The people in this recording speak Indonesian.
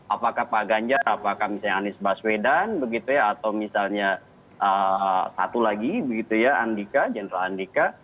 apakah pak ganjar apakah misalnya anies baswedan begitu ya atau misalnya satu lagi begitu ya andika jenderal andika